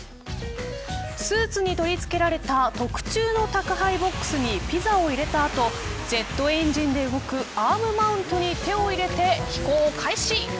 スーツに取り付けられた特注の宅配ボックスにピザを入れた後ジェットエンジンで動くアームマウントに手を入れて飛行開始。